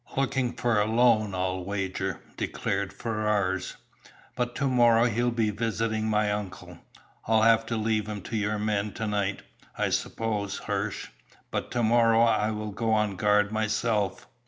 "Looking for a loan, I'll wager," declared Ferrars. "By to morrow he'll be visiting my uncle. I'll have to leave him to your men to night, I suppose, Hirsch, but to morrow I will go on guard myself."